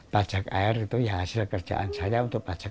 pajak air itu ya hasil kerjaan saya untuk pajak